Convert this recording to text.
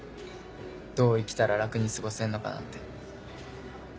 どう生きたら楽に過ごせんのかなんて。